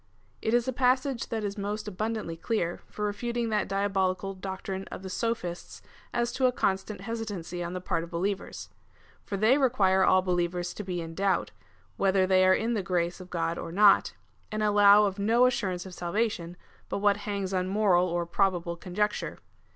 It is a passage that is most abundantly clear, for refuting that diabolical doctrine of the Sophists as to a constant hesitancy on the part of believers. For they require all believers to be in doubt, whether they are in the grace of God or not, and allow of no assurance of salvation, but what hangs on moral or probable conjecture.